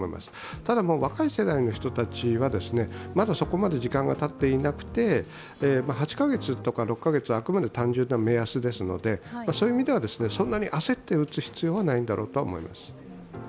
ただ若い世代の人たちはまだそこまで時間がたっていなくて、８カ月や６カ月あくまで単純な目安ですので、そんなに焦って打つ必要はないだろうと思います。